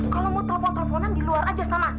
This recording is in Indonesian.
kalau mau telepon teleponan di luar aja sama